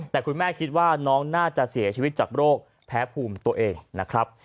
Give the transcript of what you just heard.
แต่คุณแม่คิดว่าน้องน่าจะเสียชีวิตจากโรคแพ้ภูมิตัวเองนะครับ